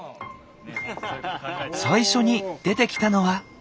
最初に出てきたのは。